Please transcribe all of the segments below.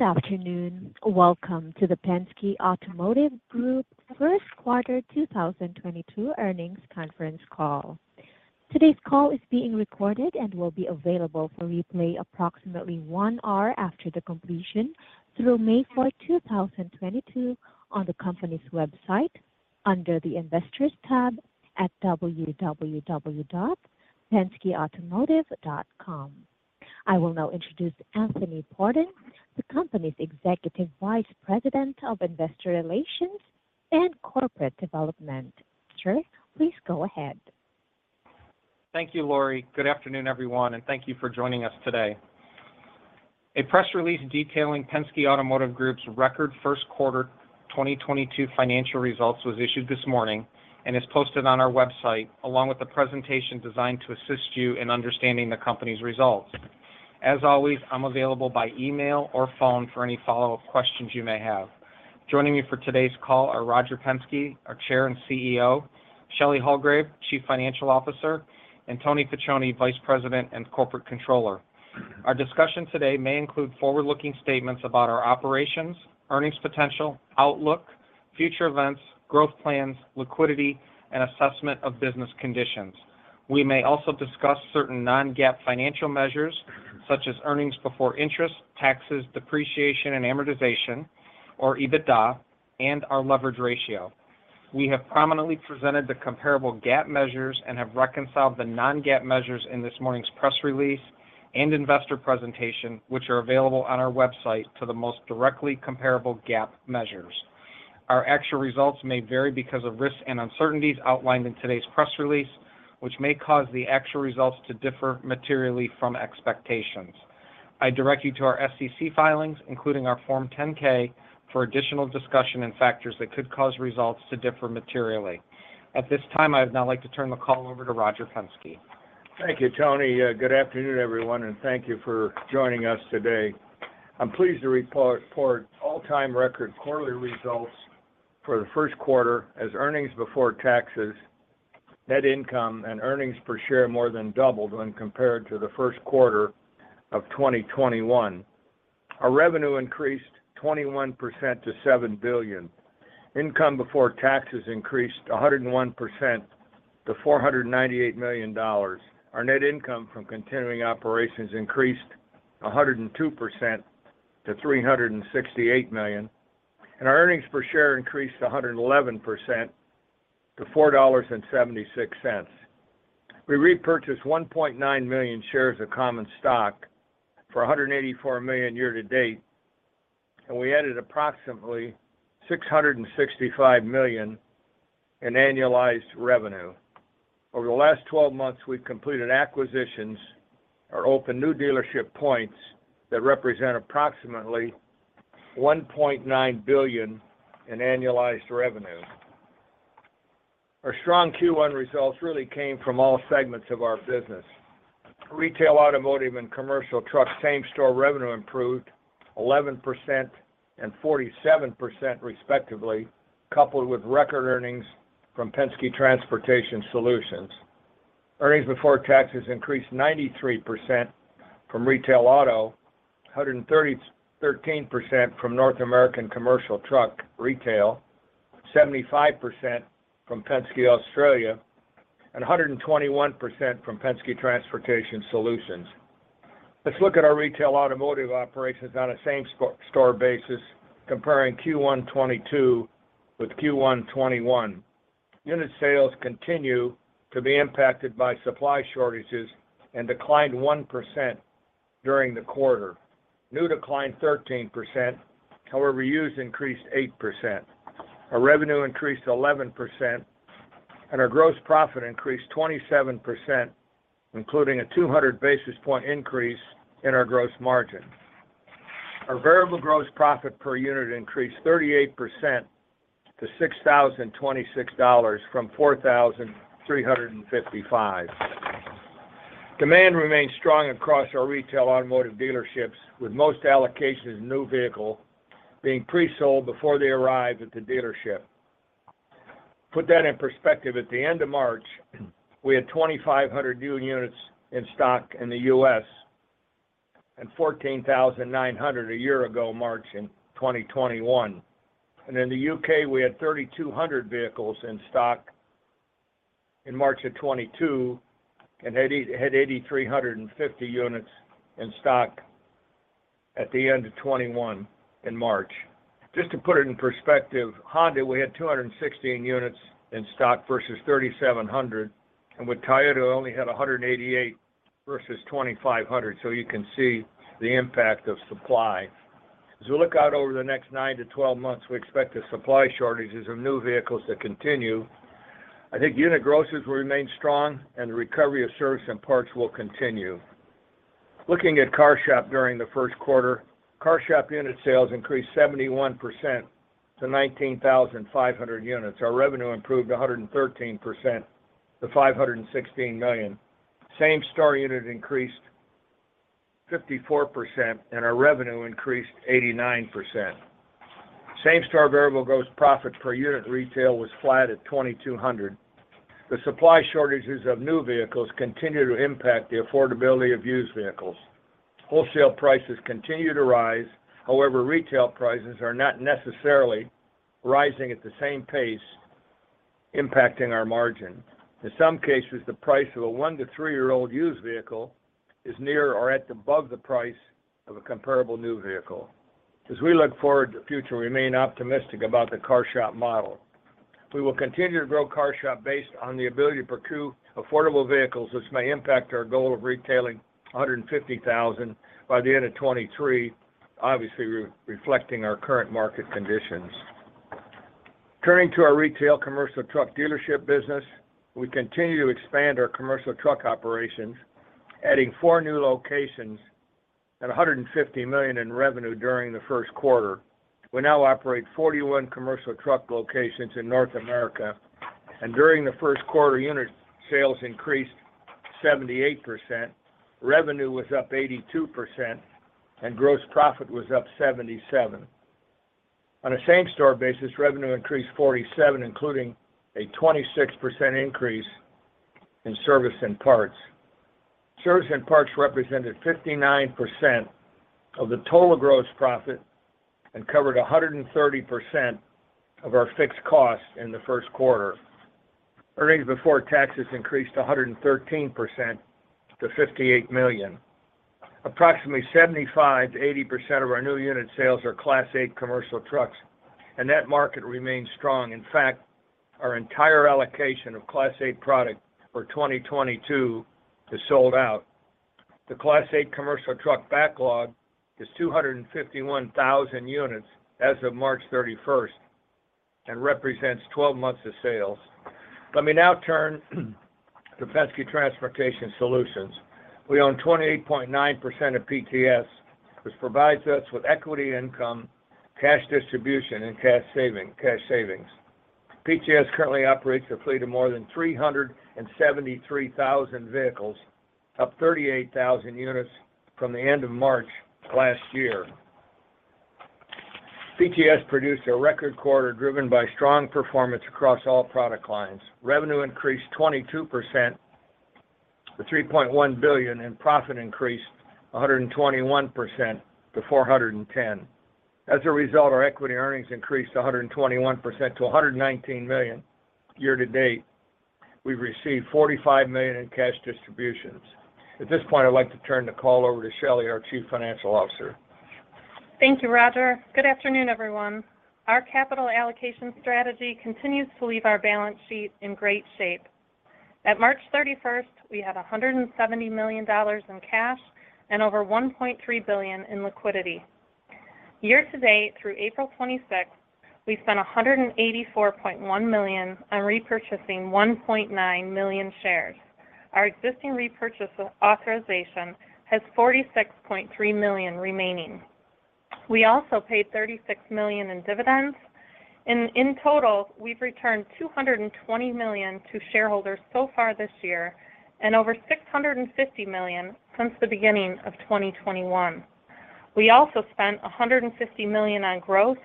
Good afternoon. Welcome to the Penske Automotive Group first quarter 2022 earnings conference call. Today's call is being recorded and will be available for replay approximately one hour after the completion through May 4th, 2022, on the company's website under the Investors tab at www.penskeautomotive.com. I will now introduce Anthony Pordon, the company's Executive Vice President of Investor Relations and Corporate Development. Sir, please go ahead. Thank you, Lori. Good afternoon, everyone, and thank you for joining us today. A press release detailing Penske Automotive Group's record first quarter 2022 financial results was issued this morning and is posted on our website, along with a presentation designed to assist you in understanding the company's results. As always, I'm available by email or phone for any follow-up questions you may have. Joining me for today's call are Roger Penske, our Chair and CEO, Shelley Hulgrave, Chief Financial Officer, and Tony Facione, Vice President and Corporate Controller. Our discussion today may include forward-looking statements about our operations, earnings potential, outlook, future events, growth plans, liquidity, and assessment of business conditions. We may also discuss certain non-GAAP financial measures, such as earnings before interest, taxes, depreciation, and amortization, or EBITDA, and our leverage ratio. We have prominently presented the comparable GAAP measures and have reconciled the non-GAAP measures in this morning's press release and investor presentation, which are available on our website for the most directly comparable GAAP measures. Our actual results may vary because of risks and uncertainties outlined in today's press release, which may cause the actual results to differ materially from expectations. I direct you to our SEC filings, including our Form 10-K, for additional discussion and factors that could cause results to differ materially. At this time, I'd now like to turn the call over to Roger Penske. Thank you, Tony. Good afternoon, everyone, and thank you for joining us today. I'm pleased to report all-time record quarterly results for the first quarter as earnings before taxes, net income, and earnings per share more than doubled when compared to the first quarter of 2021. Our revenue increased 21% to $7 billion. Income before taxes increased 101% to $498 million. Our net income from continuing operations increased 102% to $368 million. Our earnings per share increased 111% to $4.76. We repurchased 1.9 million shares of common stock for $184 million year to date, and we added approximately $665 million in annualized revenue. Over the last 12 months, we've completed acquisitions or opened new dealership points that represent approximately $1.9 billion in annualized revenue. Our strong Q1 results really came from all segments of our business. Retail automotive and commercial truck same-store revenue improved 11% and 47% respectively, coupled with record earnings from Penske Transportation Solutions. Earnings before taxes increased 93% from retail auto, 113% from North American commercial truck retail, 75% from Penske Australia, and 121% from Penske Transportation Solutions. Let's look at our retail automotive operations on a same-store basis comparing Q1 2022 with Q1 2021. Unit sales continue to be impacted by supply shortages and declined 1% during the quarter. New declined 13%. However, used increased 8%. Our revenue increased 11%, and our gross profit increased 27%, including a 200 basis point increase in our gross margin. Our variable gross profit per unit increased 38% to $6,026 from $4,355. Demand remains strong across our retail automotive dealerships, with most allocations of new vehicle being pre-sold before they arrive at the dealership. Put that in perspective, at the end of March, we had 2,500 new units in stock in the U.S., and 14,900 new units a year ago March in 2021. In the U.K., we had 3,200 vehicles in stock in March 2022 and had 8,350 units in stock at the end of 2021 in March. Just to put it in perspective, Honda, we had 216 units in stock versus 3,700 units, and with Toyota, only had 188 units versus 2,500 units. You can see the impact of supply. As we look out over the next nine to 12 months, we expect the supply shortages of new vehicles to continue. I think unit grosses will remain strong and the recovery of service and parts will continue. Looking at CarShop during the first quarter, CarShop unit sales increased 71% to 19,500 units. Our revenue improved 113% to $516 million. Same-store unit increased 54% and our revenue increased 89%. Same-store variable gross profit per unit retail was flat at $2,200. The supply shortages of new vehicles continue to impact the affordability of used vehicles. Wholesale prices continue to rise. However, retail prices are not necessarily rising at the same pace, impacting our margin. In some cases, the price of a one to three-year-old used vehicle is near or at or above the price of a comparable new vehicle. As we look forward to the future, we remain optimistic about the CarShop model. We will continue to grow CarShop based on the ability to procure affordable vehicles, which may impact our goal of retailing 150,000 units by the end of 2023, obviously, reflecting our current market conditions. Turning to our retail commercial truck dealership business, we continue to expand our commercial truck operations, adding four new locations at $150 million in revenue during the first quarter. We now operate 41 commercial truck locations in North America, and during the first quarter, unit sales increased 78%, revenue was up 82%, and gross profit was up 77%. On a same-store basis, revenue increased 47%, including a 26% increase in service and parts. Service and parts represented 59% of the total gross profit and covered 130% of our fixed costs in the first quarter. Earnings before taxes increased 113% to $58 million. Approximately 75%-80% of our new unit sales are Class 8 commercial trucks, and that market remains strong. In fact, our entire allocation of Class 8 product for 2022 is sold out. The Class 8 commercial truck backlog is 251,000 units as of March 31st and represents 12 months of sales. Let me now turn to Penske Transportation Solutions. We own 28.9% of PTS, which provides us with equity income, cash distribution, and cash savings. PTS currently operates a fleet of more than 373,000 vehicles, up 38,000 units from the end of March last year. PTS produced a record quarter driven by strong performance across all product lines. Revenue increased 22% to $3.1 billion, and profit increased 121% to $410 million. As a result, our equity earnings increased 121% to $119 million year to date. We've received $45 million in cash distributions. At this point, I'd like to turn the call over to Shelley, our Chief Financial Officer. Thank you, Roger. Good afternoon, everyone. Our capital allocation strategy continues to leave our balance sheet in great shape. At March 31st, we had $170 million in cash and over $1.3 billion in liquidity. Year to date through April 26, we spent $184.1 million on repurchasing 1.9 million shares. Our existing repurchase authorization has 46.3 million remaining. We also paid $36 million in dividends. In total, we've returned $220 million to shareholders so far this year and over $650 million since the beginning of 2021. We also spent $150 million on growth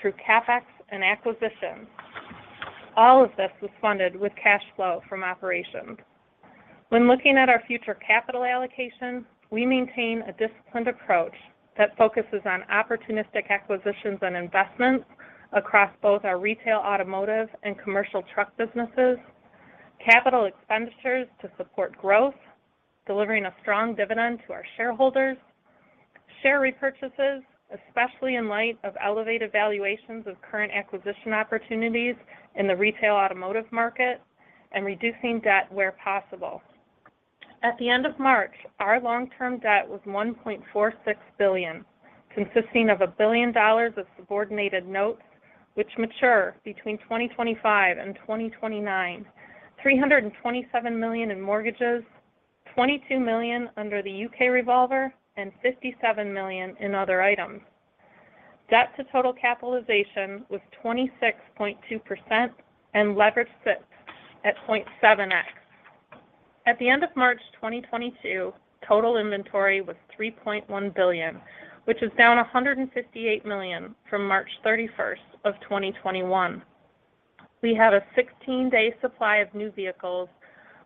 through CapEx and acquisitions. All of this was funded with cash flow from operations. When looking at our future capital allocation, we maintain a disciplined approach that focuses on opportunistic acquisitions and investments across both our retail automotive and commercial truck businesses, capital expenditures to support growth, delivering a strong dividend to our shareholders, share repurchases, especially in light of elevated valuations of current acquisition opportunities in the retail automotive market, and reducing debt where possible. At the end of March, our long-term debt was $1.46 billion, consisting of $1 billion of subordinated notes, which mature between 2025 and 2029, $327 million in mortgages, $22 million under the U.K. revolver, and $57 million in other items. Debt to total capitalization was 26.2% and leverage sits at 0.7x. At the end of March 2022, total inventory was $3.1 billion, which is down $158 million from March 31st, 2021. We have a 16-day supply of new vehicles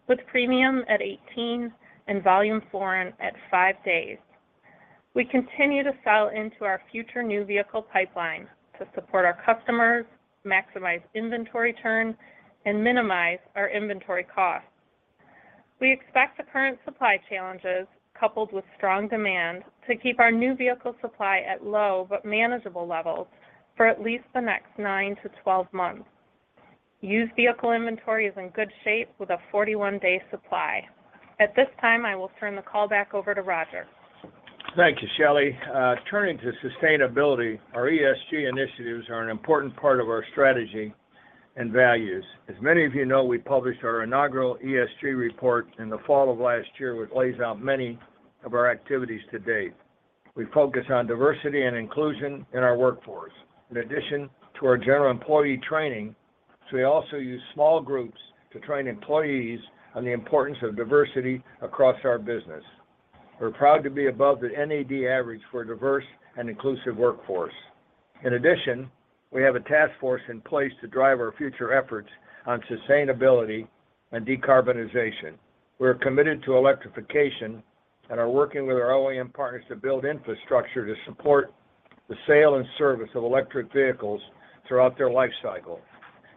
with Premium at 18 days and volume foreign at five days. We continue to sell into our future new vehicle pipeline to support our customers, maximize inventory turn, and minimize our inventory costs. We expect the current supply challenges, coupled with strong demand, to keep our new vehicle supply at low but manageable levels for at least the next nine to 12 months. Used vehicle inventory is in good shape with a 41-day supply. At this time, I will turn the call back over to Roger. Thank you, Shelley. Turning to sustainability, our ESG initiatives are an important part of our strategy and values. As many of you know, we published our inaugural ESG report in the fall of last year, which lays out many of our activities to date. We focus on diversity and inclusion in our workforce. In addition to our general employee training, we also use small groups to train employees on the importance of diversity across our business. We're proud to be above the NADA average for a diverse and inclusive workforce. In addition, we have a task force in place to drive our future efforts on sustainability and decarbonization. We're committed to electrification and are working with our OEM partners to build infrastructure to support the sale and service of electric vehicles throughout their life cycle.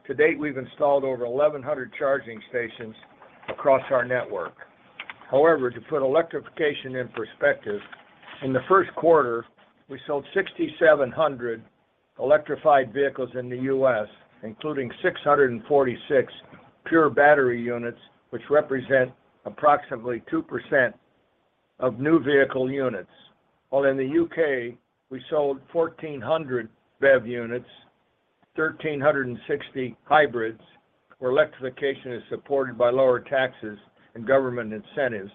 To date, we've installed over 1,100 charging stations across our network. However, to put electrification in perspective, in the first quarter, we sold 6,700 electrified vehicles in the U.S., including 646 pure battery units, which represent approximately 2% of new vehicle units. While in the U.K., we sold 1,400 BEV units, 1,360 hybrids, where electrification is supported by lower taxes and government incentives.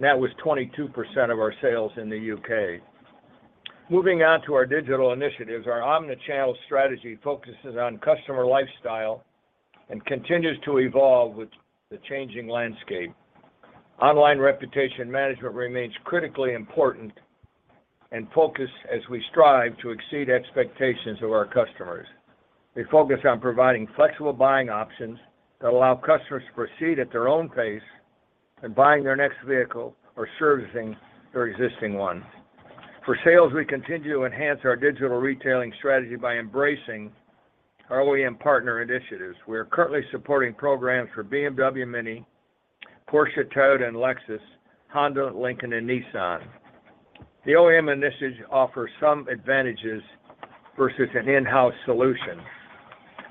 That was 22% of our sales in the U.K. Moving on to our digital initiatives, our omni-channel strategy focuses on customer lifestyle and continues to evolve with the changing landscape. Online reputation management remains critically important and focused as we strive to exceed expectations of our customers. We focus on providing flexible buying options that allow customers to proceed at their own pace in buying their next vehicle or servicing their existing one. For sales, we continue to enhance our digital retailing strategy by embracing our OEM partner initiatives. We are currently supporting programs for BMW, MINI, Porsche, Toyota, and Lexus, Honda, Lincoln, and Nissan. The OEM initiatives offer some advantages versus an in-house solution.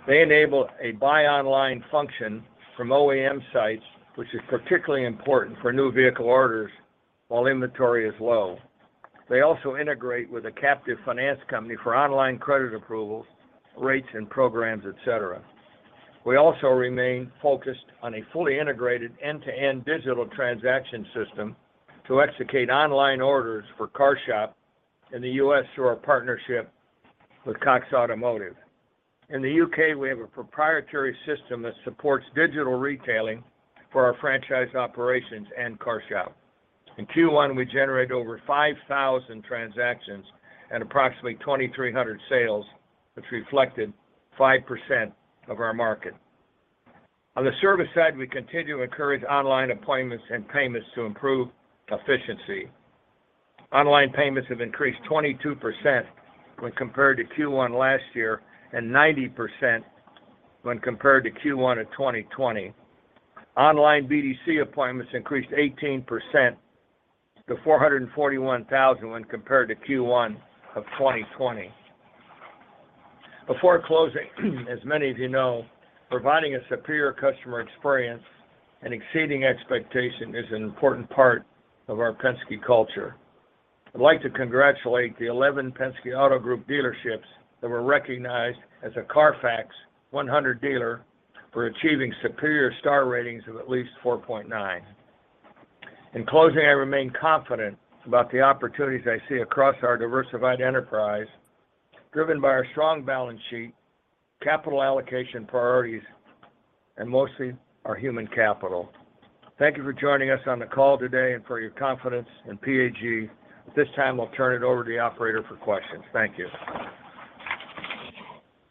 They enable a Buy Online function from OEM sites, which is particularly important for new vehicle orders while inventory is low. They also integrate with a captive finance company for online credit approvals, rates and programs, et cetera. We also remain focused on a fully integrated end-to-end digital transaction system to execute online orders for CarShop in the U.S. through our partnership with Cox Automotive. In the U.K., we have a proprietary system that supports digital retailing for our franchise operations and CarShop. In Q1, we generated over 5,000 transactions at approximately 2,300 sales, which reflected 5% of our market. On the service side, we continue to encourage online appointments and payments to improve efficiency. Online payments have increased 22% when compared to Q1 last year and 90% when compared to Q1 of 2020. Online BDC appointments increased 18% to 441,000 when compared to Q1 of 2020. Before closing, as many of you know, providing a superior customer experience and exceeding expectation is an important part of our Penske culture. I'd like to congratulate the 11 Penske Auto Group dealerships that were recognized as a CARFAX 100 dealer for achieving superior star ratings of at least 4.9. In closing, I remain confident about the opportunities I see across our diversified enterprise, driven by our strong balance sheet, capital allocation priorities, and mostly our human capital. Thank you for joining us on the call today and for your confidence in PAG. At this time, I'll turn it over to the operator for questions. Thank you.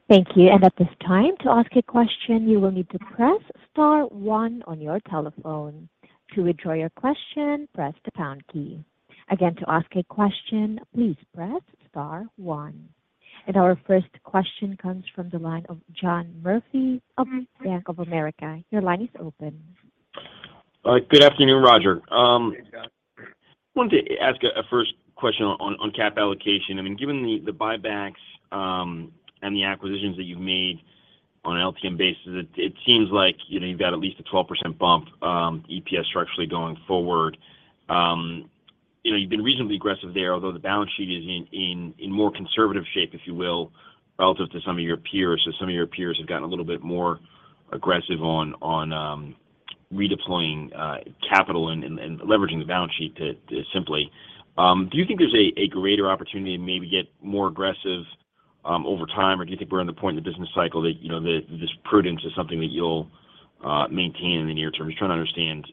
Thank you. At this time, to ask a question, you will need to press star one on your telephone. To withdraw your question, press the pound key. Again, to ask a question, please press star one. Our first question comes from the line of John Murphy of Bank of America. Your line is open. Good afternoon, Roger. Hey, John. Wanted to ask a first question on cap allocation. I mean, given the buybacks and the acquisitions that you've made on an LTM basis, it seems like, you know, you've got at least a 12% bump EPS structurally going forward. You know, you've been reasonably aggressive there, although the balance sheet is in more conservative shape, if you will, relative to some of your peers. Some of your peers have gotten a little bit more aggressive on redeploying capital and leveraging the balance sheet to simply. Do you think there's a greater opportunity to maybe get more aggressive over time? Or do you think we're at the point in the business cycle that, you know, that this prudence is something that you'll maintain in the near term? Just trying to understand,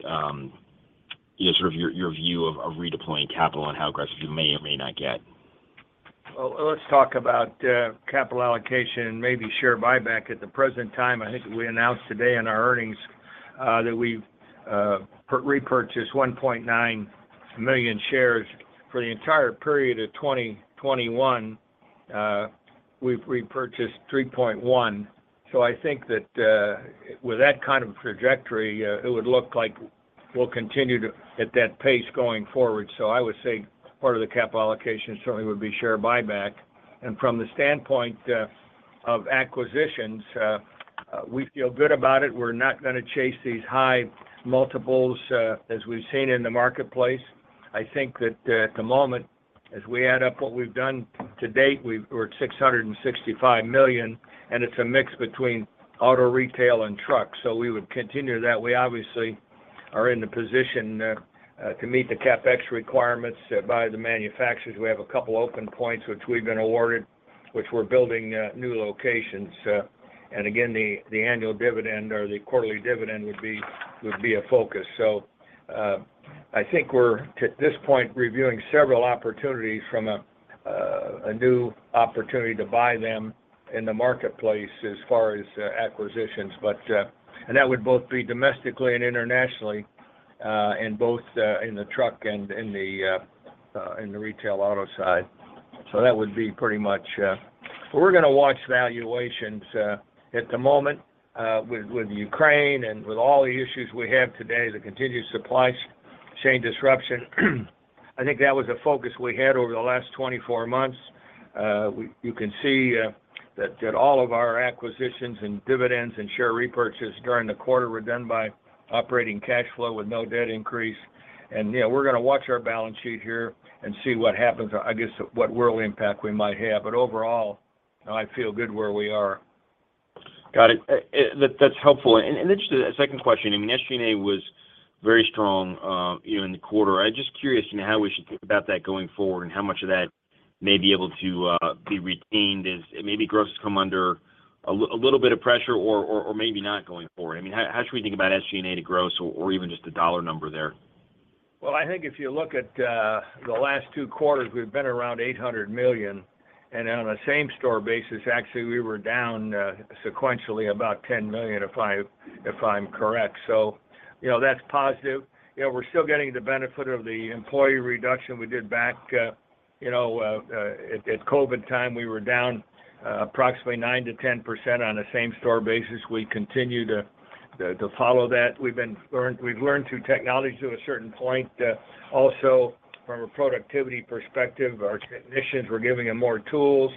you know, sort of your view of redeploying capital and how aggressive you may or may not get. Well, let's talk about capital allocation and maybe share buyback. At the present time, I think we announced today in our earnings that we've repurchased 1.9 million shares for the entire period of 2021. We've repurchased $3.1 billion. I think that with that kind of trajectory, it would look like we'll continue to at that pace going forward. I would say part of the capital allocation certainly would be share buyback. From the standpoint of acquisitions, we feel good about it. We're not gonna chase these high multiples as we've seen in the marketplace. I think that at the moment, as we add up what we've done to date, we're at $665 million, and it's a mix between auto retail and truck. We would continue that. We obviously are in the position to meet the CapEx requirements by the manufacturers. We have a couple open points which we've been awarded, which we're building new locations. Again, the annual dividend or the quarterly dividend would be a focus. I think we're to this point reviewing several opportunities from a new opportunity to buy them in the marketplace as far as acquisitions. That would both be domestically and internationally and both in the truck and in the retail auto side. That would be pretty much. We're gonna watch valuations at the moment with Ukraine and with all the issues we have today, the continued supply chain disruption. I think that was a focus we had over the last 24 months. You can see that all of our acquisitions and dividends and share repurchases during the quarter were done by operating cash flow with no debt increase. You know, we're gonna watch our balance sheet here and see what happens, I guess, what world impact we might have. Overall, I feel good where we are. Got it. That's helpful. Interested in a second question. I mean, SG&A was very strong, you know, in the quarter. I'm just curious, you know, how we should think about that going forward, and how much of that may be able to be retained as maybe gross has come under a little bit of pressure or maybe not going forward. I mean, how should we think about SG&A to gross or even just the dollar number there? I think if you look at the last two quarters, we've been around $800 million. On a same-store basis, actually, we were down sequentially about $10 million, if I'm correct. You know, that's positive. You know, we're still getting the benefit of the employee reduction we did back you know at COVID time, we were down approximately 9%-10% on a same-store basis. We continue to follow that. We've learned through technology to a certain point. Also from a productivity perspective, our technicians, we're giving them more tools.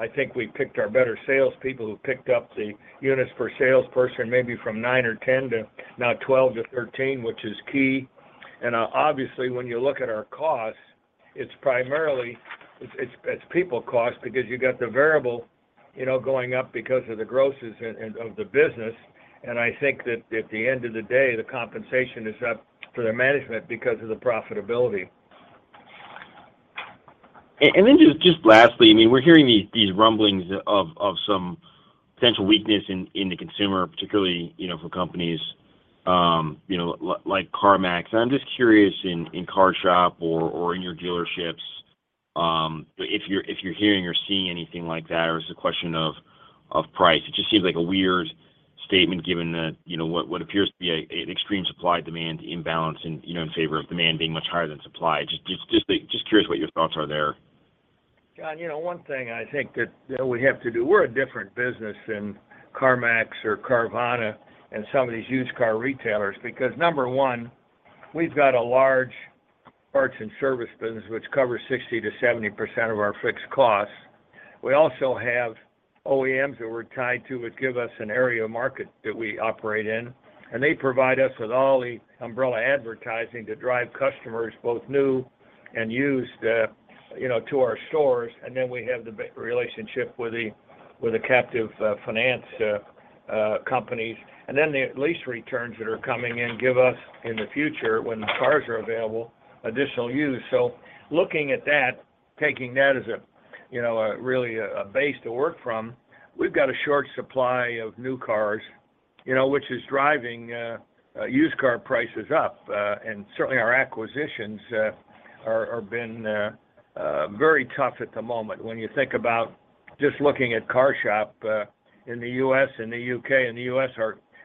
I think we picked our better sales people who picked up the units per salesperson, maybe from 9% or 10% to now 12%-13%, which is key. Obviously, when you look at our costs, it's primarily people cost because you got the variable, you know, going up because of the grosses and of the business. I think that at the end of the day, the compensation is up for their management because of the profitability. Just lastly, I mean, we're hearing these rumblings of some potential weakness in the consumer, particularly, you know, for companies like CarMax. I'm just curious in CarShop or in your dealerships if you're hearing or seeing anything like that, or is it a question of price? It just seems like a weird statement given that, you know, what appears to be an extreme supply-demand imbalance in favor of demand being much higher than supply. Just curious what your thoughts are there. John, you know, one thing I think that, you know, we have to do. We're a different business than CarMax or Carvana and some of these used car retailers, because number one, we've got a large parts and service business which covers 60%-70% of our fixed costs. We also have OEMs that we're tied to, which give us an area of market that we operate in. They provide us with all the umbrella advertising to drive customers, both new and used, you know, to our stores. Then we have the relationship with the captive finance companies. The lease returns that are coming in give us in the future when the cars are available, additional used. Looking at that, taking that as a base to work from, you know, we've got a short supply of new cars, you know, which is driving used car prices up. Certainly our acquisitions have been very tough at the moment. When you think about just looking at CarShop in the U.S. and the U.K. In the U.S.,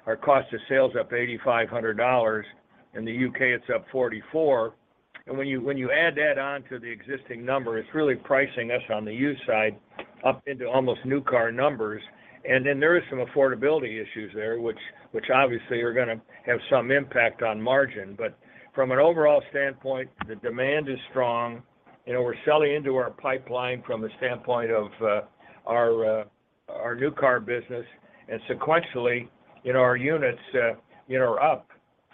our cost of sales is up $8,500. In the U.K., it's up 4,400. When you add that on to the existing number, it's really pricing us on the used side up into almost new car numbers. Then there is some affordability issues there, which obviously are gonna have some impact on margin. From an overall standpoint, the demand is strong. You know, we're selling into our pipeline from the standpoint of our new car business. Sequentially, you know, our units, you know, are up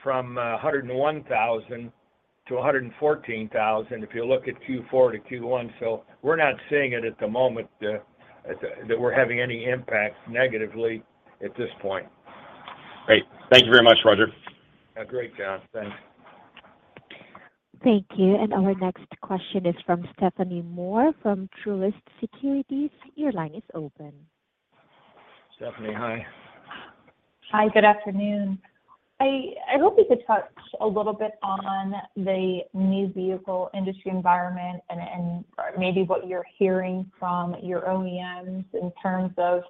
from 101,000 units to 114,000 units if you look at Q4 to Q1. We're not seeing it at the moment that we're having any impacts negatively at this point. Great. Thank you very much, Roger. Yeah, great, John. Thanks. Thank you. Our next question is from Stephanie Moore from Truist Securities. Your line is open. Stephanie, hi. Hi, good afternoon. I hope we could touch a little bit on the new vehicle industry environment and maybe what you're hearing from your OEMs in terms of,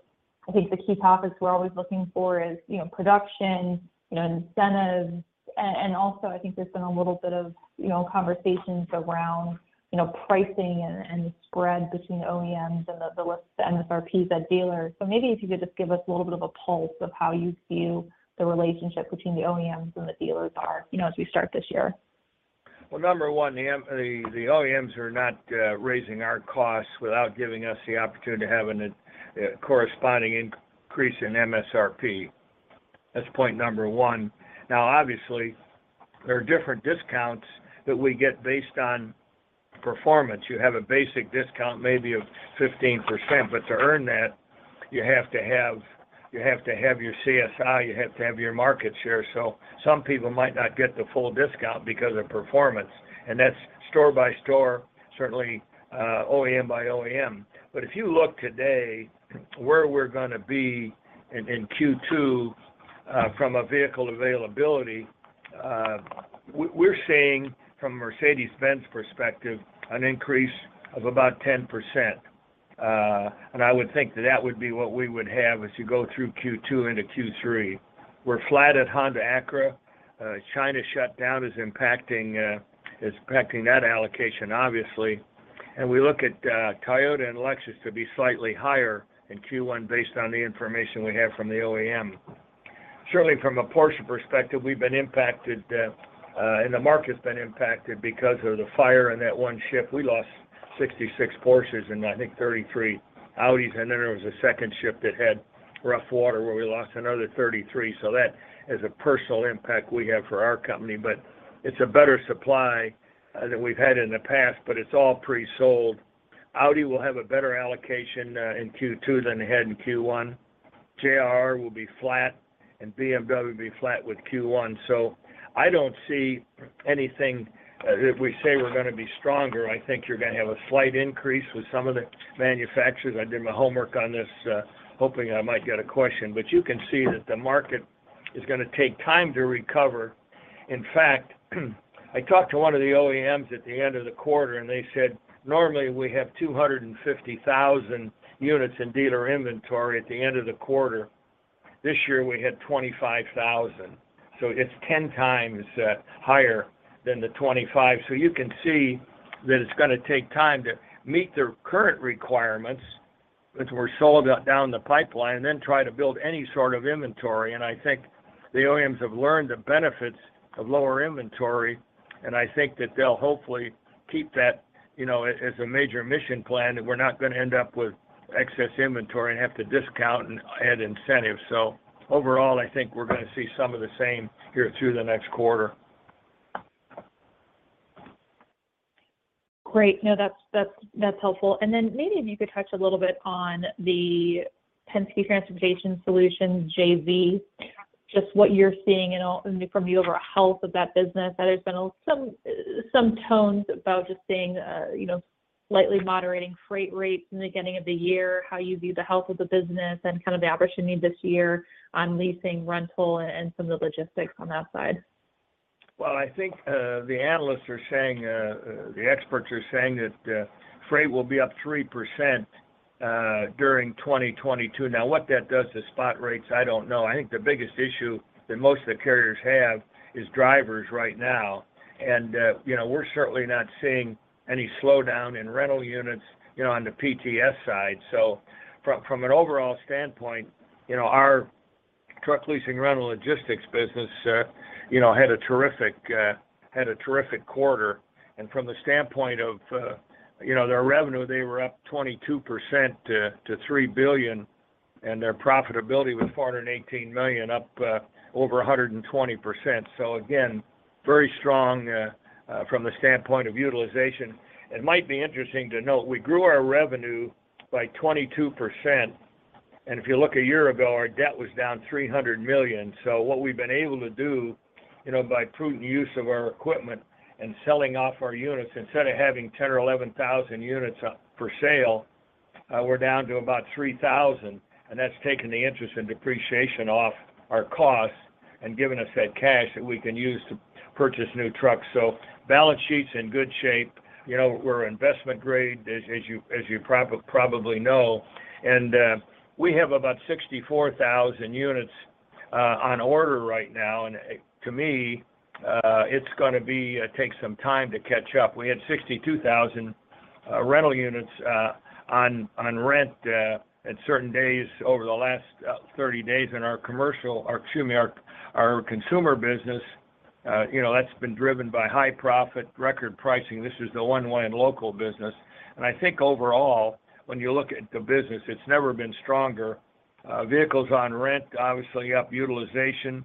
I think, the key topics we're always looking for is, you know, production, you know, incentives, and also I think there's been a little bit of, you know, conversations around, you know, pricing and spread between OEMs and the MSRPs at dealers. Maybe if you could just give us a little bit of a pulse of how you view the relationship between the OEMs and the dealers are, you know, as we start this year. Well, number one, the OEMs are not raising our costs without giving us the opportunity to have a corresponding increase in MSRP. That's point number one. Now, obviously, there are different discounts that we get based on performance. You have a basic discount maybe of 15%, but to earn that, you have to have your CSI, you have to have your market share. So some people might not get the full discount because of performance, and that's store by store, certainly, OEM by OEM. But if you look today where we're gonna be in Q2, from a vehicle availability, we're seeing from Mercedes-Benz perspective, an increase of about 10%. I would think that would be what we would have as you go through Q2 into Q3. We're flat at Honda Acura. China's shutdown is impacting that allocation, obviously. We look at Toyota and Lexus to be slightly higher in Q1 based on the information we have from the OEM. Certainly from a Porsche perspective, we've been impacted, and the market's been impacted because of the fire in that one ship. We lost 66 Porsches and I think 33 Audis. There was a second ship that had rough water where we lost another 33. That is a personal impact we have for our company, but it's a better supply than we've had in the past, but it's all pre-sold. Audi will have a better allocation in Q2 than they had in Q1. JLR will be flat and BMW will be flat with Q1. I don't see anything, if we say we're gonna be stronger, I think you're gonna have a slight increase with some of the manufacturers. I did my homework on this, hoping I might get a question, but you can see that the market is gonna take time to recover. In fact, I talked to one of the OEMs at the end of the quarter, and they said, "Normally, we have 250,000 units in dealer inventory at the end of the quarter. This year, we had 25,000 units." It's 10x higher than the 25,000 units. You can see that it's gonna take time to meet the current requirements, which were sold out down the pipeline, and then try to build any sort of inventory. I think the OEMs have learned the benefits of lower inventory, and I think that they'll hopefully keep that, you know, as a major mission plan, and we're not gonna end up with excess inventory and have to discount and add incentives. So overall, I think we're gonna see some of the same here through the next quarter. Great. No, that's helpful. Then maybe if you could touch a little bit on the Penske Transportation Solutions JV. Just what you're seeing from the overall health of that business. There's been some tones about just seeing, you know, slightly moderating freight rates in the beginning of the year. How you view the health of the business and kind of the opportunity this year on leasing, rental, and some of the logistics on that side. Well, I think the analysts are saying the experts are saying that freight will be up 3% during 2022. Now, what that does to spot rates, I don't know. I think the biggest issue that most of the carriers have is drivers right now. You know, we're certainly not seeing any slowdown in rental units, you know, on the PTS side. From an overall standpoint, you know, our truck leasing rental logistics business, you know, had a terrific quarter. From the standpoint of, you know, their revenue, they were up 22% to $3 billion, and their profitability was $418 million, up over 120%. Again, very strong from the standpoint of utilization. It might be interesting to note, we grew our revenue by 22%. If you look a year ago, our debt was down $300 million. What we've been able to do, you know, by prudent use of our equipment and selling off our units, instead of having 10,000 or 11,000 units up for sale, we're down to about 3,000 units, and that's taken the interest and depreciation off our costs and given us that cash that we can use to purchase new trucks. Balance sheet's in good shape. You know, we're investment grade as you probably know. We have about 64,000 units on order right now. To me, it's gonna be take some time to catch up. We had 62,000 rental units on rent at certain days over the last 30 days in our commercial, our consumer business. You know, that's been driven by high profit, record pricing. This is the one-way and local business. I think overall, when you look at the business, it's never been stronger. Vehicles on rent, obviously up utilization.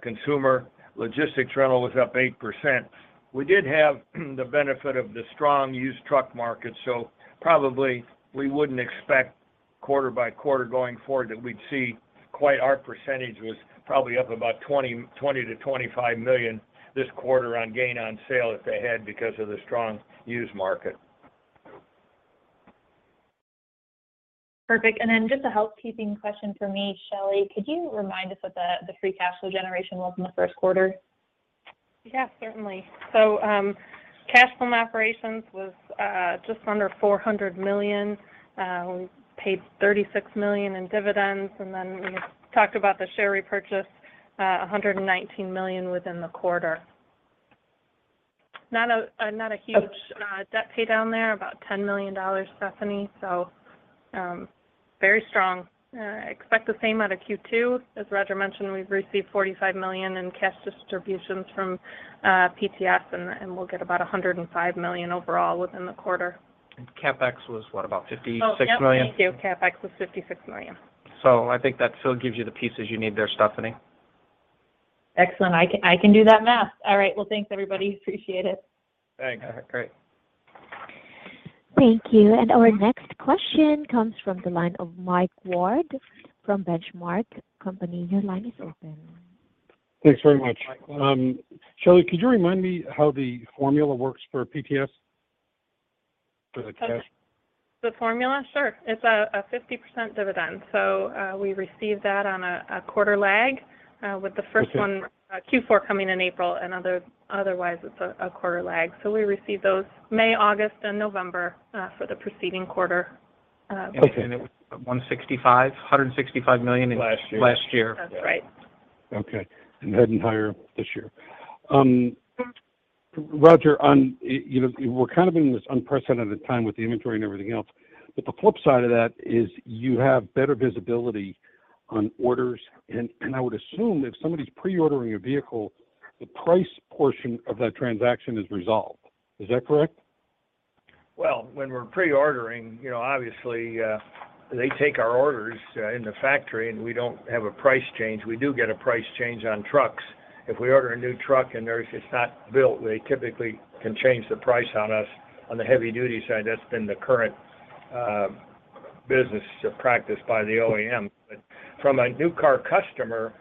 Consumer logistics rental was up 8%. We did have the benefit of the strong used truck market, so probably we wouldn't expect quarter by quarter going forward that we'd see quite our percentage was probably up about $20 million-$25 million this quarter on gain on sale that they had because of the strong used market. Perfect. Just a housekeeping question for me, Shelley. Could you remind us what the free cash flow generation was in the first quarter? Yeah, certainly. Cash from operations was just under $400 million. We paid $36 million in dividends, and then we talked about the share repurchase, $119 million within the quarter. Not a huge debt pay down there, about $10 million, Stephanie. Very strong. Expect the same out of Q2. As Roger mentioned, we've received $45 million in cash distributions from PTS, and we'll get about $105 million overall within the quarter. CapEx was what? About $56 million? Oh, yep. Thank you. CapEx was $56 million. I think that still gives you the pieces you need there, Stephanie. Excellent. I can do that math. All right. Well, thanks everybody. Appreciate it. Thanks. All right. Great. Thank you. Our next question comes from the line of Mike Ward from Benchmark Company. Your line is open. Thanks very much. Mike. Shelley, could you remind me how the formula works for PTS for the cash? The formula? Sure. It's a 50% dividend. We receive that on a quarter lag. Okay. With the first one, Q4,coming in April and otherwise it's a quarter lag. We receive those May, August, and November for the preceding quarter. Okay. It was $165 million- Last year.... last year. That's right. Roger, you know, we're kind of in this unprecedented time with the inventory and everything else, but the flip side of that is you have better visibility on orders, and I would assume if somebody's pre-ordering a vehicle, the price portion of that transaction is resolved. Is that correct? Well, when we're pre-ordering, you know, obviously, they take our orders in the factory, and we don't have a price change. We do get a price change on trucks. If we order a new truck and it's not built, they typically can change the price on us. On the heavy duty side, that's been the current business practice by the OEM. But from a new car customer,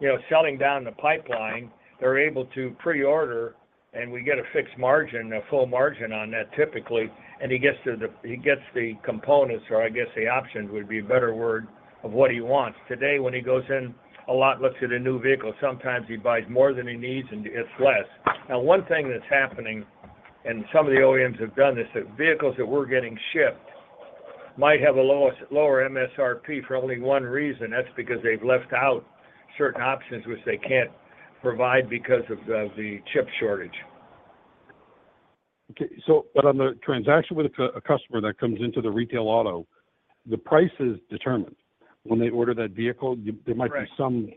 you know, selling down the pipeline, they're able to pre-order, and we get a fixed margin, a full margin on that typically, and he gets the components, or I guess the options would be a better word, of what he wants. Today, when he goes in a lot, looks at a new vehicle, sometimes he buys more than he needs and it's less. Now one thing that's happening, and some of the OEMs have done this, that vehicles that we're getting shipped might have a lower MSRP for only one reason. That's because they've left out certain options which they can't provide because of the chip shortage. Okay. On the transaction with a customer that comes into the retail auto, the price is determined when they order that vehicle. You- Right. There might be some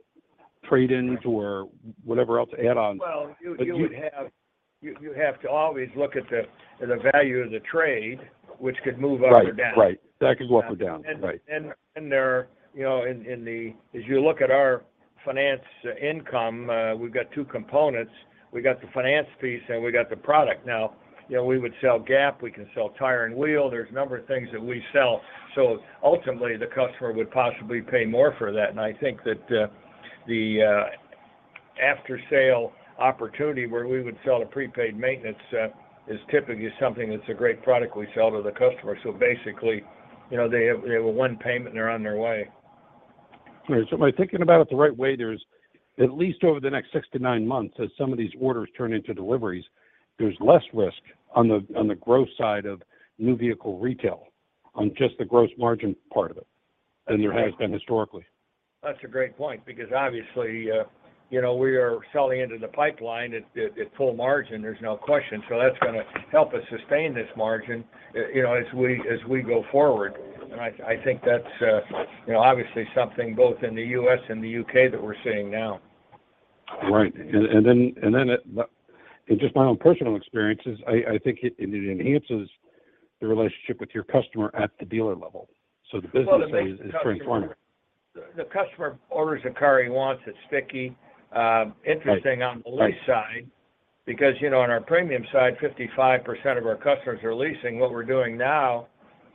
trade-ins- Right.... or whatever else, add-ons. You- Well, you have to always look at the value of the trade, which could move up or down. Right. Right. That could go up or down. Right. As you look at our finance income, we've got two components. We got the finance piece and we got the product. Now, you know, we would sell GAP, we can sell tire and wheel. There's a number of things that we sell. Ultimately, the customer would possibly pay more for that. I think that the after-sale opportunity where we would sell a prepaid maintenance is typically something that's a great product we sell to the customer. Basically, you know, they have a one payment and they're on their way. All right. Am I thinking about it the right way? There's at least over the next six to nine months as some of these orders turn into deliveries, there's less risk on the growth side of new vehicle retail on just the gross margin part of it than there has been historically. That's a great point because obviously, you know, we are selling into the pipeline at full margin, there's no question. That's gonna help us sustain this margin, you know, as we go forward. I think that's, you know, obviously something both in the U.S. and the U.K. that we're seeing now. Right. In just my own personal experiences, I think it enhances the relationship with your customer at the dealer level. The business is transforming. Well, the customer orders a car he wants, it's sticky. Interesting on the lease side- Right.... because, you know, on our Premium side, 55% of our customers are leasing. What we're doing now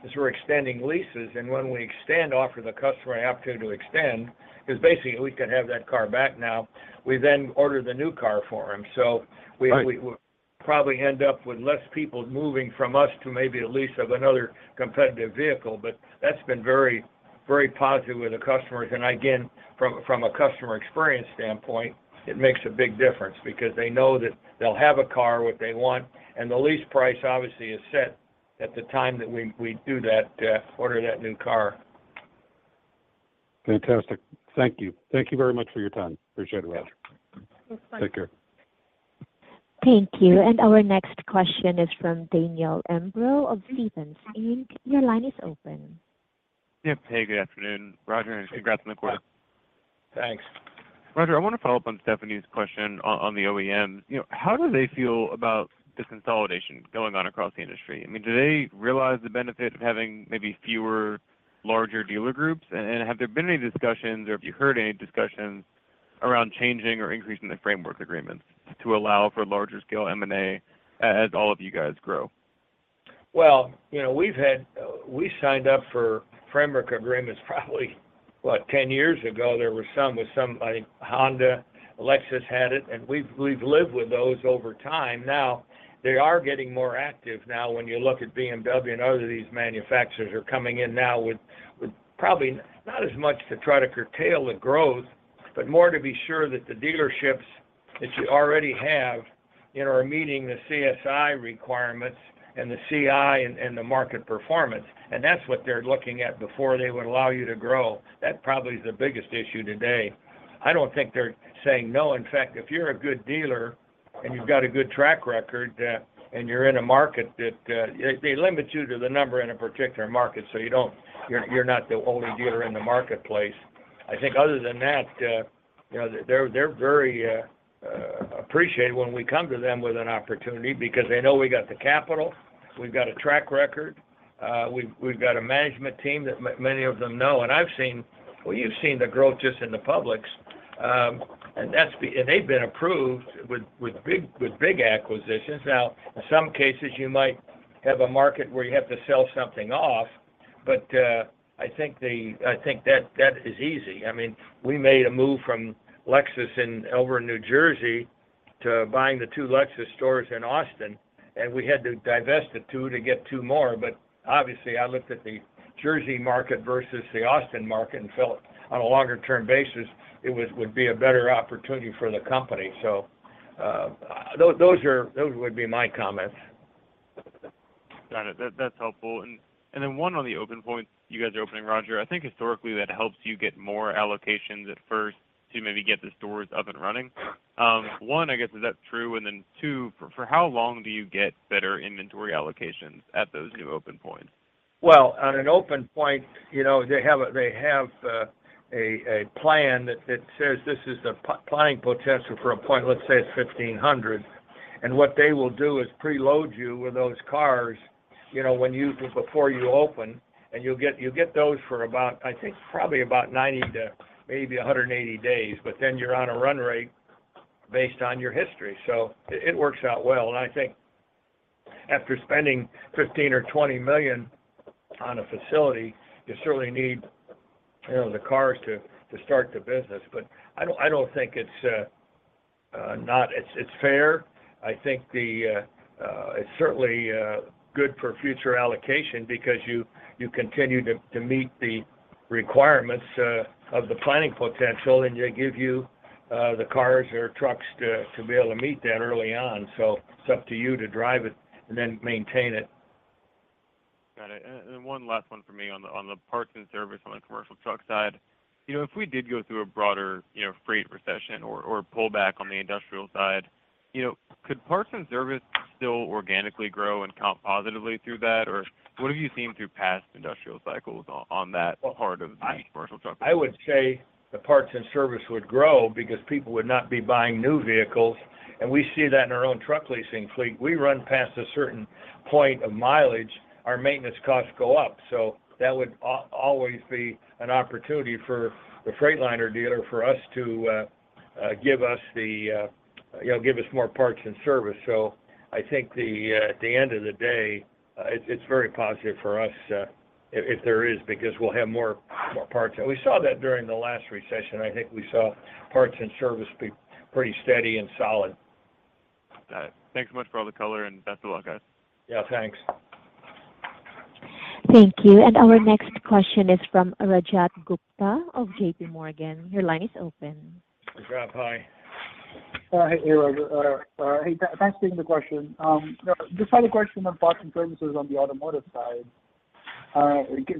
is we're extending leases, and when we extend offer the customer an opportunity to extend is basically we can have that car back now. We then order the new car for him. We- Right.... we will probably end up with less people moving from us to maybe a lease of another competitive vehicle. That's been very, very positive with the customers. Again, from a customer experience standpoint, it makes a big difference because they know that they'll have a car what they want, and the lease price obviously is set at the time that we do that order that new car. Fantastic. Thank you. Thank you very much for your time. Appreciate it, Roger. Thanks, Mike. Take care. Thank you. Our next question is from Daniel Imbro of Stephens Inc. Your line is open. Yeah. Hey, good afternoon, Roger, and congrats on the quarter. Thanks. Roger, I wanna follow up on Stephanie's question on the OEMs. You know, how do they feel about the consolidation going on across the industry? I mean, do they realize the benefit of having maybe fewer larger dealer groups? Have there been any discussions or have you heard any discussions around changing or increasing the framework agreements to allow for larger scale M&A as all of you guys grow? Well, you know, we signed up for framework agreements probably, but ten years ago, there were some with some, like Honda. Lexus had it. We've lived with those over time. Now, they are getting more active now when you look at BMW and other these manufacturers are coming in now with probably not as much to try to curtail the growth, but more to be sure that the dealerships that you already have, you know, are meeting the CSI requirements and the CI and the market performance. That's what they're looking at before they would allow you to grow. That probably is the biggest issue today. I don't think they're saying no. In fact, if you're a good dealer and you've got a good track record, and you're in a market that, they limit you to the number in a particular market, so, you're not the only dealer in the marketplace. I think other than that, you know, they're very appreciated when we come to them with an opportunity because they know we got the capital, we've got a track record, we've got a management team that many of them know. I've seen. Well, you've seen the growth just in the publics, and they've been approved with big acquisitions. Now, in some cases, you might have a market where you have to sell something off, but I think that is easy. I mean, we made a move from Lexus in [Elberon], New Jersey to buying the two Lexus stores in Austin, and we had to divest the two to get two more. Obviously, I looked at the Jersey market versus the Austin market and felt on a longer-term basis it would be a better opportunity for the company. Those would be my comments. Got it. That's helpful. One on the open points you guys are opening, Roger. I think historically that helps you get more allocations at first to maybe get the stores up and running. One, I guess, is that true? Two, for how long do you get better inventory allocations at those new open points? On an open point, you know, they have a plan that says this is the planning potential for a point, let's say it's 1,500. What they will do is preload you with those cars, you know, when you open, and you'll get those for about, I think, probably about 90 to maybe 180 days, but then you're on a run rate based on your history. It works out well. I think after spending $15 million-$20 million on a facility, you certainly need, you know, the cars to start the business. I don't think it's not. It's fair. I think that it's certainly good for future allocation because you continue to meet the requirements of the planning potential, and they give you the cars or trucks to be able to meet that early on. It's up to you to drive it and then maintain it. Got it. One last one for me on the parts and service on the commercial truck side. You know, if we did go through a broader, you know, freight recession or pullback on the industrial side, you know, could parts and service still organically grow and comp positively through that? Or what have you seen through past industrial cycles on that part of the commercial truck business? I would say the parts and service would grow because people would not be buying new vehicles. We see that in our own truck leasing fleet. We run past a certain point of mileage, our maintenance costs go up. That would always be an opportunity for the Freightliner dealer for us to give us more parts and service. I think at the end of the day, it's very positive for us if there is, because we'll have more parts. We saw that during the last recession. I think we saw parts and service be pretty steady and solid. Got it. Thanks so much for all the color, and best of luck, guys. Yeah, thanks. Thank you. Our next question is from Rajat Gupta of JPMorgan. Your line is open. Rajat, hi. Hey, Roger. Hey, thanks for taking the question. Just had a question on parts and services on the automotive side.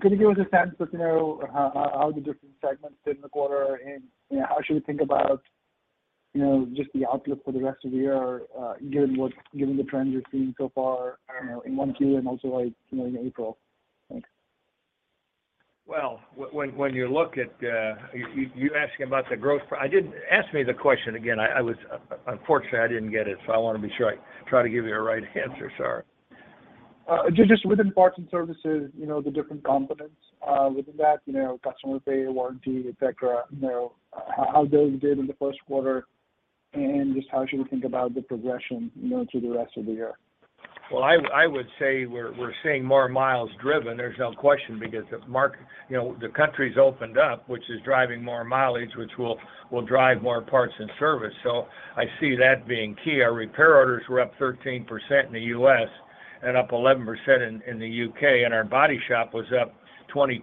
Could you give us a sense of, you know, how the different segments did in the quarter? You know, how should we think about, you know, just the outlook for the rest of the year, given the trends you're seeing so far, you know, in 1Q and also like, you know, in April? Thanks. Ask me the question again. Unfortunately, I didn't get it, so I wanna be sure I try to give you a right answer. Sorry. Just within parts and services, you know, the different components within that, you know, customer pay, warranty, et cetera, you know, how those did in the first quarter? Just how should we think about the progression, you know, through the rest of the year? Well, I would say we're seeing more miles driven, there's no question, because the masks, you know, the country's opened up, which is driving more mileage, which will drive more parts and service. I see that being key. Our repair orders were up 13% in the U.S. and up 11% in the U.K., and our body shop was up 22%.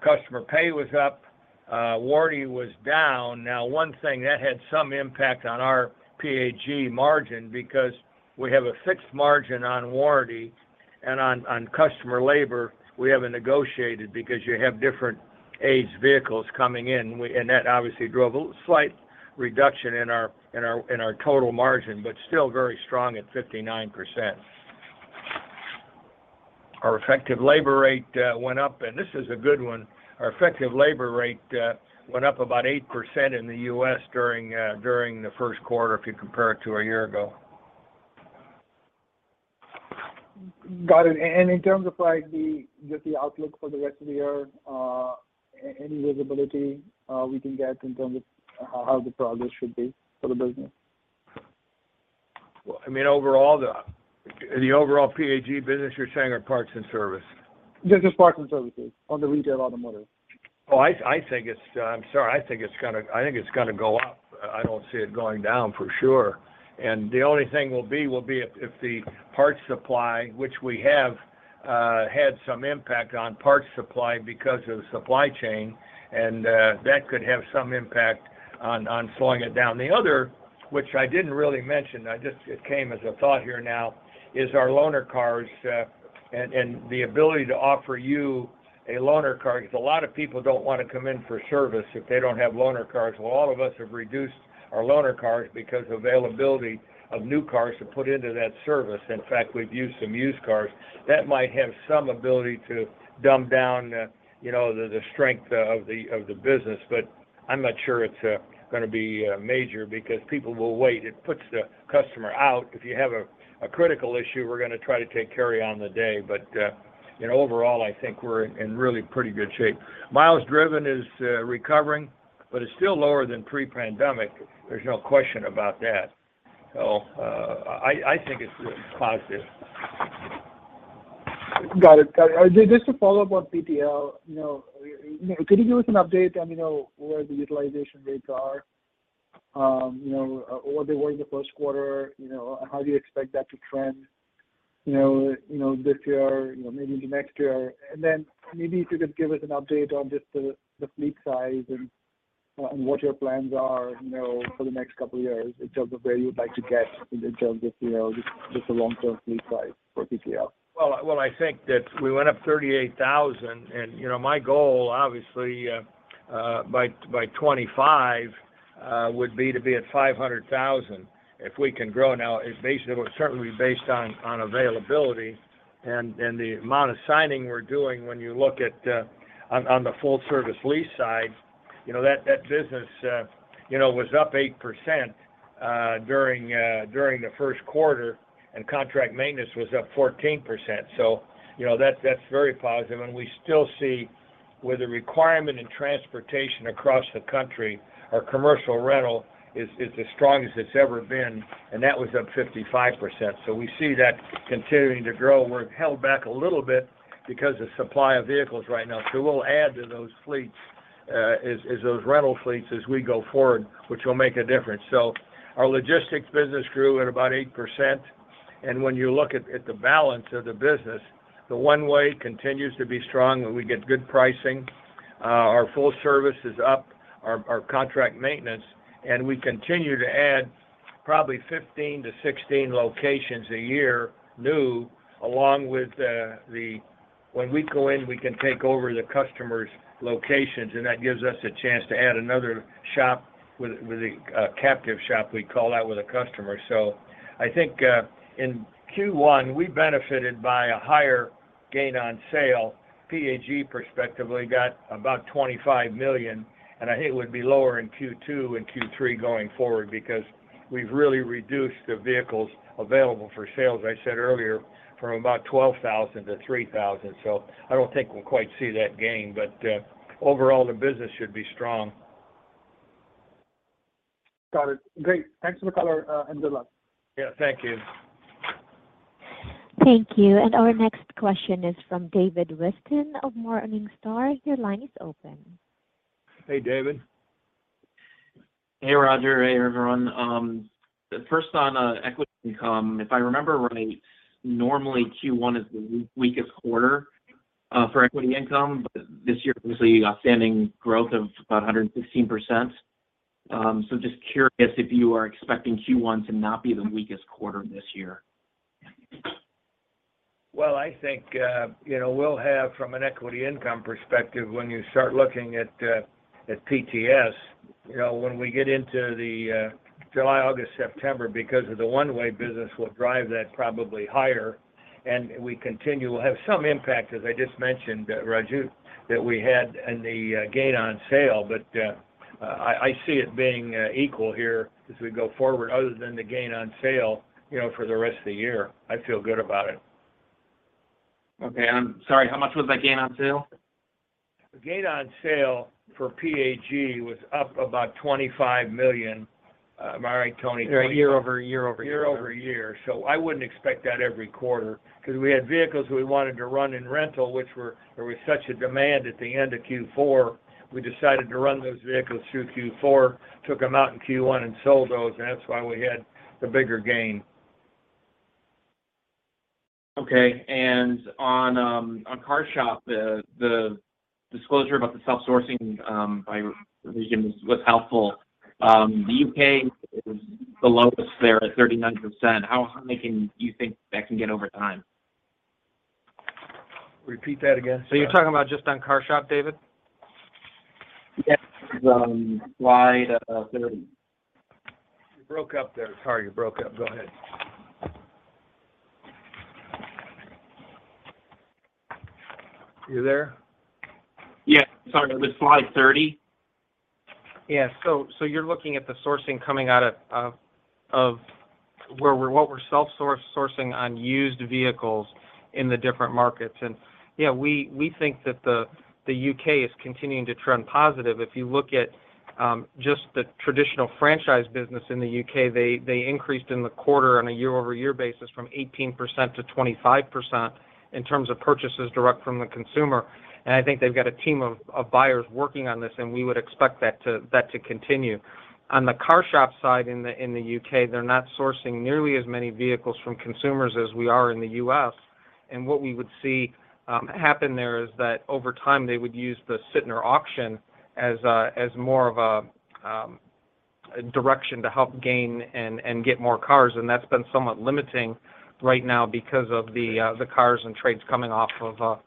Customer pay was up, warranty was down. Now one thing that had some impact on our PAG margin because we have a fixed margin on warranty and on customer labor, we haven't negotiated because you have different age vehicles coming in. And that obviously drove a slight reduction in our total margin, but still very strong at 59%. Our effective labor rate went up, and this is a good one. Our effective labor rate went up about 8% in the U.S. during the first quarter if you compare it to a year ago. Got it. In terms of like just the outlook for the rest of the year, any visibility we can get in terms of how the progress should be for the business? Well, I mean, overall the overall PAG business you're saying are parts and service? Just the parts and services on the retail automotive. I'm sorry, I think it's gonna go up. I don't see it going down for sure. The only thing will be if the parts supply, which we have had some impact on parts supply because of supply chain, and that could have some impact on slowing it down. The other, which I didn't really mention, it came as a thought here now, is our loaner cars and the ability to offer you a loaner car, because a lot of people don't want to come in for service if they don't have loaner cars. All of us have reduced our loaner cars because of availability of new cars to put into that service. In fact, we've used some used cars. That might have some ability to dumb down, you know, the strength of the business. I'm not sure it's gonna be major because people will wait. It puts the customer out. If you have a critical issue, we're gonna try to take care of you on the day. You know, overall, I think we're in really pretty good shape. Miles driven is recovering, but it's still lower than pre-pandemic. There's no question about that. I think it's positive. Got it. Just a follow-up on PTS. You know, could you give us an update on, you know, where the utilization rates are? What they were in the first quarter, you know, and how do you expect that to trend, you know, this year, you know, maybe into next year? Maybe if you could give us an update on just the fleet size and what your plans are, you know, for the next couple of years in terms of where you'd like to get in terms of, you know, just the long-term fleet size for PTS. Well, I think that we went up 38,000 units. You know, my goal, obviously, by 2025, would be to be at 500,000 units. If we can grow now, it would certainly be based on availability and the amount of signing we're doing when you look at on the full service lease side, you know, that business was up 8% during the first quarter, and contract maintenance was up 14%. You know, that's very positive. We still see with the requirement in transportation across the country, our commercial rental is as strong as it's ever been, and that was up 55%. We see that continuing to grow. We're held back a little bit because of supply of vehicles right now, so we'll add to those fleets as those rental fleets as we go forward, which will make a difference. Our logistics business grew at about 8%. When you look at the balance of the business, the one-way continues to be strong, and we get good pricing. Our full service is up, our contract maintenance, and we continue to add probably 15-16 locations a year new along with the. When we go in, we can take over the customer's locations, and that gives us a chance to add another shop with a captive shop, we call that, with a customer. I think in Q1, we benefited by a higher gain on sale. PAG prospectively got about $25 million, and I think it would be lower in Q2 and Q3 going forward because we've really reduced the vehicles available for sales, I said earlier, from about 12,000 to 3,000. I don't think we'll quite see that gain, but overall, the business should be strong. Got it. Great. Thanks for the color, and good luck. Yeah. Thank you. Thank you. Our next question is from David Whiston of Morningstar. Your line is open. Hey, David. Hey, Roger. Hey, everyone. First on equity income. If I remember right, normally Q1 is the weakest quarter for equity income, but this year obviously outstanding growth of about 116%. So just curious if you are expecting Q1 to not be the weakest quarter this year? Well, I think, you know, we'll have from an equity income perspective when you start looking at PTS, you know, when we get into the July, August, September, because of the one-way business will drive that probably higher, and we continue. We'll have some impact, as I just mentioned with Rajat, that we had in the gain on sale. But I see it being equal here as we go forward, other than the gain on sale, you know, for the rest of the year. I feel good about it. Okay. I'm sorry, how much was that gain on sale? The gain on sale for PAG was up about $25 million. Am I right, Tony? Year over year over year. Year-over-year. I wouldn't expect that every quarter, 'cause we had vehicles we wanted to run in rental, there was such a demand at the end of Q4, we decided to run those vehicles through Q4, took them out in Q1 and sold those, and that's why we had the bigger gain. Okay. On CarShop, the disclosure about the self-sourcing by region was helpful. The U.K. is the lowest there at 39%. How many can you think that can get over time? Repeat that again. You're talking about just on CarShop, David? Yes. Slide 30. You broke up there. Sorry, you broke up. Go ahead. You there? Yeah. Sorry. The slide 30. Yeah, you're looking at the sourcing coming out of what we're self-sourcing on used vehicles in the different markets. Yeah, we think that the U.K. is continuing to trend positive. If you look at just the traditional franchise business in the U.K., they increased in the quarter on a year-over-year basis from 18% to 25% in terms of purchases direct from the consumer. I think they've got a team of buyers working on this, and we would expect that to continue. On the CarShop side in the U.K., they're not sourcing nearly as many vehicles from consumers as we are in the U.S. What we would see happen there is that over time, they would use the Sytner auction as more of a direction to help gain and get more cars. That's been somewhat limiting right now because of the cars and trades coming off of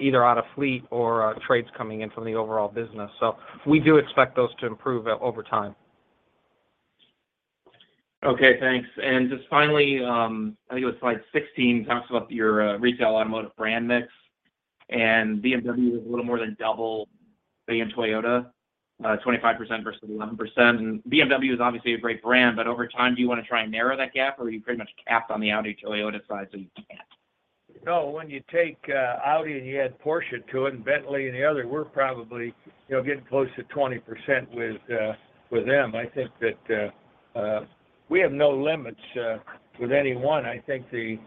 either out of fleet or trades coming in from the overall business. We do expect those to improve over time. Okay, thanks. Just finally, I think it was slide 16, talks about your retail automotive brand mix. BMW is a little more than double than Toyota, 25% versus 11%. BMW is obviously a great brand, but over time, do you wanna try and narrow that gap, or are you pretty much capped on the Audi, Toyota side, so you can't? No, when you take Audi and you add Porsche to it and Bentley and the other, we're probably, you know, getting close to 20% with them. I think that we have no limits with anyone. I think the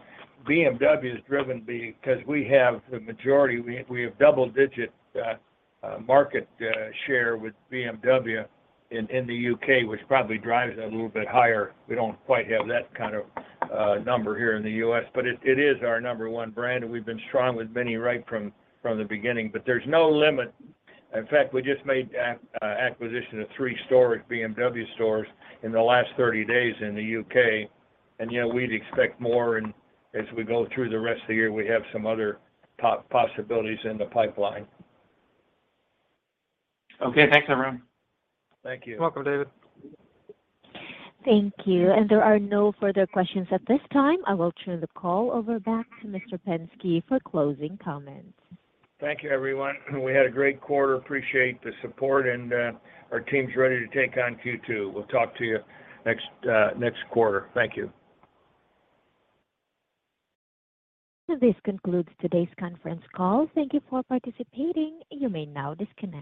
BMW is driven because we have the majority. We have double-digit market share with BMW in the U.K., which probably drives that a little bit higher. We don't quite have that kind of number here in the U.S., but it is our number one brand, and we've been strong with MINI right from the beginning. There's no limit. In fact, we just made acquisition of three stores, BMW stores in the last 30 days in the U.K. You know, we'd expect more, and as we go through the rest of the year, we have some other possibilities in the pipeline. Okay, thanks, everyone. Thank you. You're welcome, David. Thank you. There are no further questions at this time. I will turn the call over back to Mr. Penske for closing comments. Thank you, everyone. We had a great quarter. Appreciate the support, and our team's ready to take on Q2. We'll talk to you next quarter. Thank you. This concludes today's conference call. Thank you for participating. You may now disconnect.